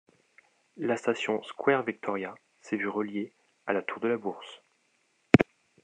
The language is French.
La station Square-Victoria s'est vue reliée à la tour de la Bourse.